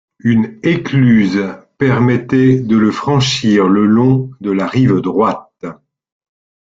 Une écluse permettait de le franchir le long la rive droite.